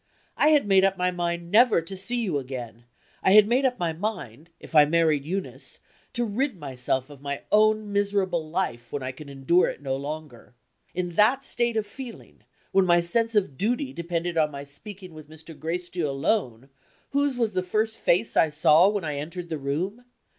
I had made up my mind never to see you again; I had made up my mind (if I married Eunice) to rid myself of my own miserable life when I could endure it no longer. In that state of feeling, when my sense of duty depended on my speaking with Mr. Gracedieu alone, whose was the first face I saw when I entered the room?